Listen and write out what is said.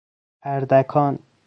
اردکان